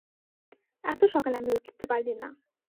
এতো সকালে আমি উঠতে পারি না।